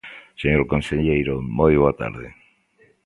Señor conselleiro, moi boa tarde.